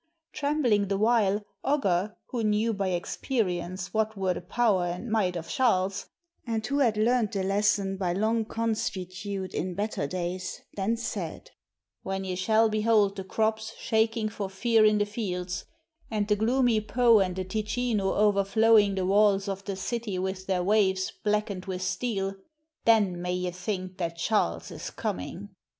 Trembling the while, Ogger, who knew by experience what were the power and might of Charles and who had learned the lesson by long consue tude in better days, then said, 'When ye shall behold the crops shaking for fear in the fields, and the gloomy Po and the Ticino overflowing the walls of the city with their waves blackened with steel, then may ye think that Charles is coming.'